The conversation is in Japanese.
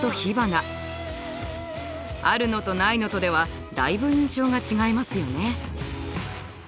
あるのとないのとではだいぶ印象が違いますよね。